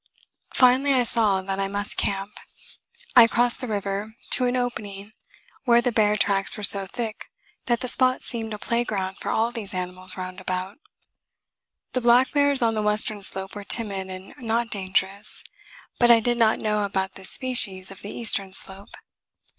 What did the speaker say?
Finally I saw that I must camp. I crossed the river to an opening where the bear tracks were so thick that the spot seemed a playground for all these animals roundabout. The black bears on the western slope were timid and not dangerous; but I did not know about this species of the eastern slope.